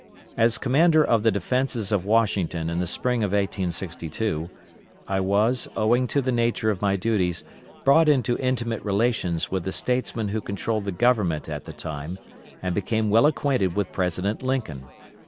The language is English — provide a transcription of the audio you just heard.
As commander of the Defences of Washington in the spring of 1862, I was, owing to the nature of my duties, brought into intimate relations with the statesmen who controlled the Government at the time, and became well acquainted with President Lincoln.